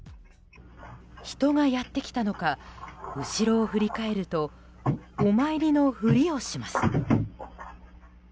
人がやってきたのか後ろを振り返るとお参りのふりをします。